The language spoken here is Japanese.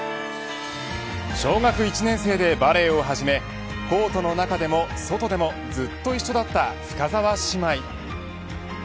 小学１年生でバレーをはじめコートの中でも外でもずっと一緒だった深澤姉妹。